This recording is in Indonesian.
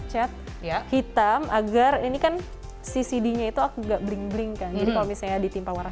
cat ya hitam agar ini kan ccd nya itu aku nggak bling bling kan jadi kalau misalnya ditimpa warna